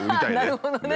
なるほどね。